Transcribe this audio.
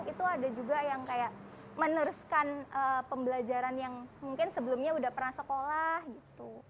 itu ada juga yang kayak meneruskan pembelajaran yang mungkin sebelumnya udah pernah sekolah gitu